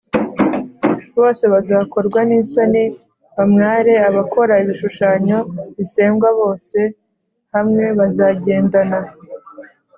Bose bazakorwa n isoni bamware Abakora ibishushanyo bisengwa bose hamwe bazagendana